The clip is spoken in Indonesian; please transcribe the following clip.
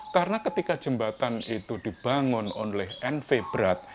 karena ketika jembatan itu dibangun oleh enve brat